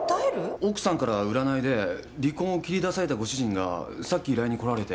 奥さんから占いで離婚を切り出されたご主人がさっき依頼に来られて。